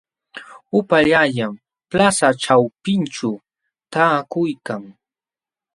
Upaallallaam plaza ćhawpinćhu taakuykan.